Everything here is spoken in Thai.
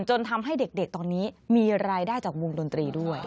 จนทำให้เด็กตอนนี้มีรายได้จากวงดนตรีด้วย